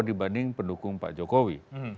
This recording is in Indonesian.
dibanding pendukung pak jokowi